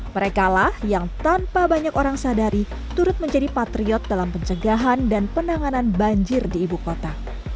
mereka lah yang tanpa banyak orang sadari turut menjadi patriot dalam pencegahan dan penanganan banjir di ibu kota